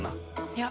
いや。